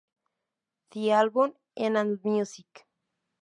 The Album en AllMusic